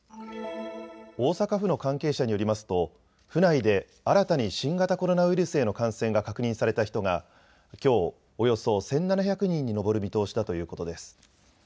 大阪府の関係者によりますと府内で新たに新型コロナウイルスへの感染が確認された人がきょう、およそ１７００人に上る見通しだということです。